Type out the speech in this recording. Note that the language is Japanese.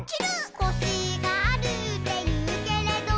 「コシがあるっていうけれど」